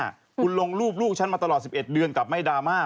คุณลงรูปลูกฉันมาตลอด๑๑เดือนกลับไม่ดราม่า